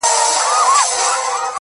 له نه وسه مي ددۍ خور يې.